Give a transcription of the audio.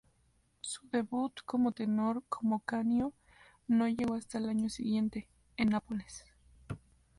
Su debut como tenor —como Canio— no llegó hasta el año siguiente, en Nápoles.